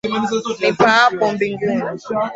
Nipaapo mbinguni,